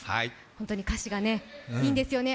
本当に歌詞がいいんですよね。